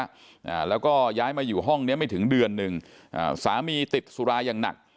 อ่าแล้วก็ย้ายมาอยู่ห้องเนี้ยไม่ถึงเดือนหนึ่งอ่าสามีติดสุราอย่างหนัก